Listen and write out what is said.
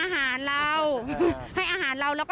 ให้อาหารเรา